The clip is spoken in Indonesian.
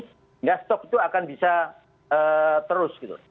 sehingga stok itu akan bisa terus gitu